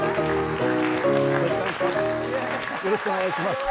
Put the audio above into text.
よろしくお願いします。